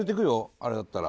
あれだったら。